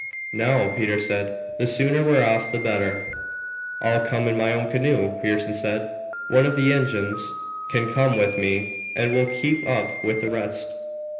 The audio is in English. "Now," Peter said, "the sooner we're off the better." "I'll come in my own canoe," Pearson said. "One of the Injuns can come with me and we'll keep up with the rest."